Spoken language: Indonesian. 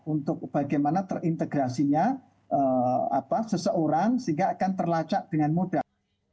untuk bagaimana terintegrasinya seseorang sehingga akan terlacak dengan mudah